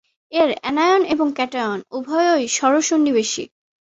এর অ্যানায়ন এবং ক্যাটায়ন উভয়ই ষড়-সন্নিবেশী।